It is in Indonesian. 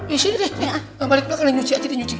ya sini deh balik belakang nyuci aja deh nyuci